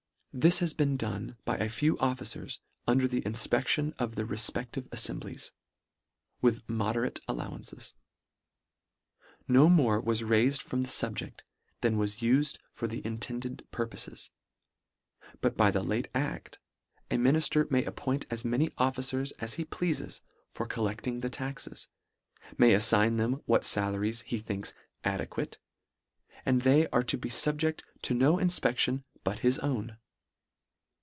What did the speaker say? This has been done by a few officers under the infpec tion of the refpeftive aifemblies, with mode rate allowances. No more was raifed from the fubjeft, than was ufed for the intended purpofes. But by the late aft, a minifler may appoint as many officers as he pleafes for collecting the taxes; may affign them what falaries he thinks "adequate " and they are to be fubjeft to no infpeftion but his own.